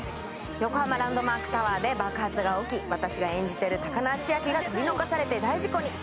横浜ランドマークタワーで爆発が起き、私が演じている高輪千晶が取り残されて大事故に。